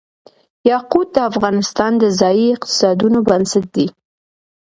یاقوت د افغانستان د ځایي اقتصادونو بنسټ دی.